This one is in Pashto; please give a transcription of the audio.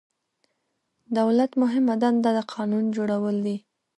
دولت مهمه دنده د قانون جوړول دي.